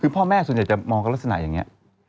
คือพ่อแม่ส่วนใหญ่จะมองกับลักษณะอย่างนี้